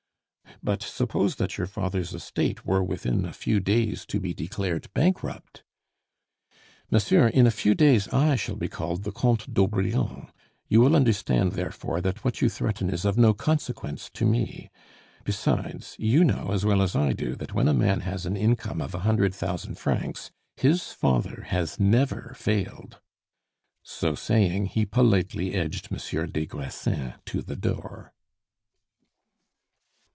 "But suppose that your father's estate were within a few days to be declared bankrupt?" "Monsieur, in a few days I shall be called the Comte d'Aubrion; you will understand, therefore, that what you threaten is of no consequence to me. Besides, you know as well as I do that when a man has an income of a hundred thousand francs his father has never failed." So saying, he politely edged Monsieur des Grassins to the door.